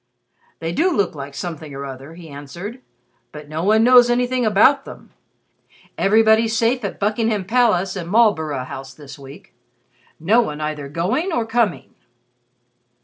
"They do look like something or other," he answered, "but no one knows anything about them. Everybody's safe in Buckingham Palace and Marlborough House this week. No one either going or coming."